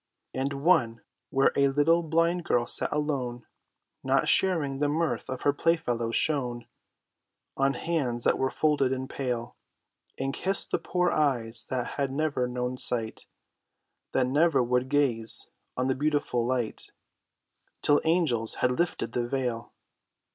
And one, where a little blind girl sat alone, Not sharing the mirth of her playfellows, shone On hands that were folded and pale, And kissed the poor eyes that had never known sight, That never would gaze on the beautiful light Till angels had lifted the veil.